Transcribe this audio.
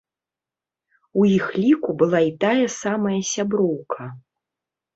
У іх ліку была і тая самая сяброўка.